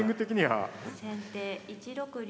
先手１六竜。